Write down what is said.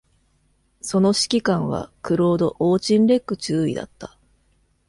その指揮官はクロード・オーチンレック中尉だった。